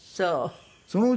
そう。